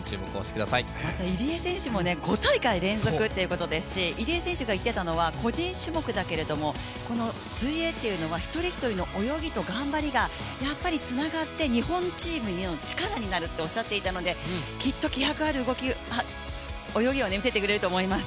入江選手も５大会連続ということですし、入江選手が言ってたのは、個人種目だけど、水泳っていうのは一人一人の泳ぎと頑張りがつながって日本チームの力になるとおっしゃっていたのできっと気迫ある泳ぎを見せてくれると思います。